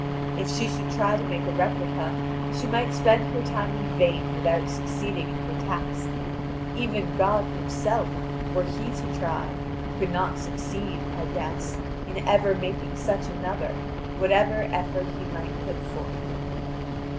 If she should try to make a replica, she might spend her time in vain without succeeding in her task. Even God Himself, were He to try, could not succeed, I guess, in ever making such another, whatever effort He might put forth."